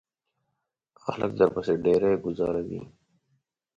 خلک درپسې ډیری گوزاروي.